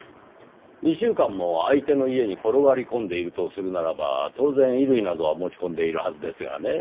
２週間も相手の家に転がり込んでいるとするならば当然衣類などは持ち込んでいるはずですがねぇ。